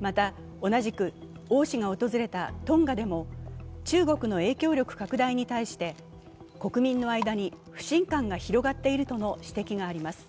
また同じく王氏が訪れたトンガでも中国の影響力拡大に対して国民の間に不信感が広がっているとの指摘があります。